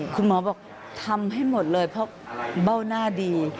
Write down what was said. คุณหมอบอกทำให้หมดเลยเพราะเบ้าหน้าดี